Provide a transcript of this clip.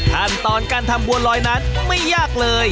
ขั้นตอนการทำบัวลอยนั้นไม่ยากเลย